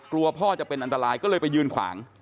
พ่อจะเป็นอันตรายก็เลยไปยืนขวาง